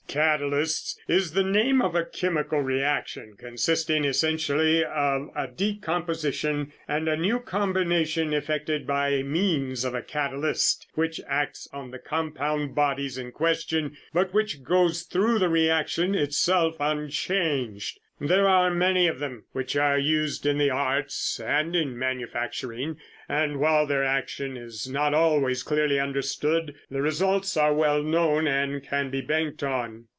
Catalysts is the name of a chemical reaction consisting essentially of a decomposition and a new combination effected by means of a catalyst which acts on the compound bodies in question, but which goes through the reaction itself unchanged. There are a great many of them which are used in the arts and in manufacturing, and while their action is not always clearly understood, the results are well known and can be banked on.